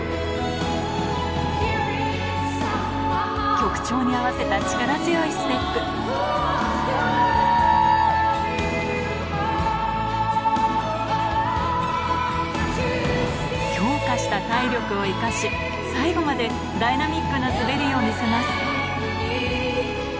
曲調に合わせた力強いステップ強化した体力を生かし最後までダイナミックな滑りを見せます